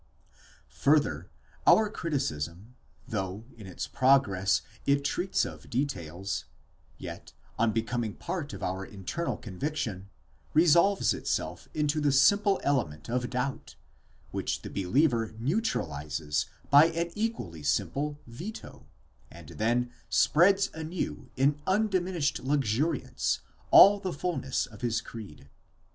Further, our criticism, though in its progress it treats of details, yet on be coming part of our internal conviction, resolves itself into the simple element of doubt, which the believer neutralizes by an equally simple ze/o, and then spreads anew in undiminished luxuriance all the fulness of his creed.